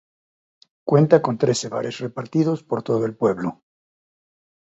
Cuenta con trece bares repartidos por todo el pueblo.